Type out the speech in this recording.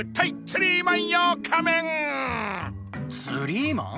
ツリーマン？